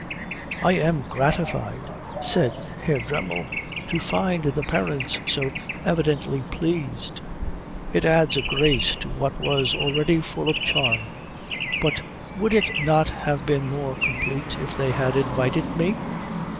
"I am gratified," said Herr Dremmel, "to find the parents so evidently pleased. It adds a grace to what was already full of charm. But would it not have been more complete if they had invited me?"